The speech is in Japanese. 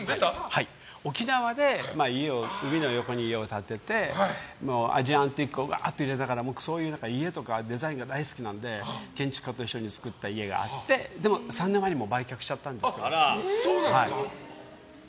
沖縄で海の横に家を建ててアジアンティックを入れながらそういう家とかデザインが大好きなので建築家と一緒に作った家があってでも３年前に売却しちゃったんですけど。